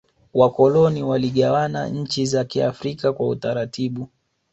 wakoloni waligawana nchi za kiafrika kwa utaratibu